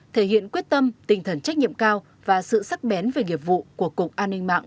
thể hiện quyết tâm tinh thần trách nhiệm cao và sự sắc bén về nghiệp vụ của cục an ninh mạng